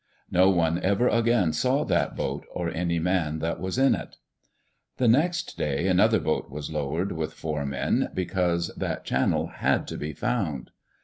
No one ever again saw that boat or any man that was in it. The next day another boat was lowered, with four men, because that channel had to be found.